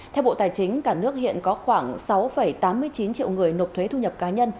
theo bộ tài chính cả nước hiện có khoảng sáu tám mươi chín triệu người nộp thuế thu nhập cá nhân